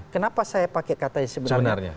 kenapa saya pakai katanya sebenarnya